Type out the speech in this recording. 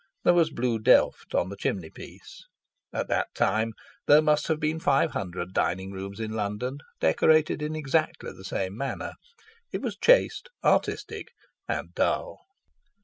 There was blue delft on the chimney piece. At that time there must have been five hundred dining rooms in London decorated in exactly the same manner. It was chaste, artistic, and dull.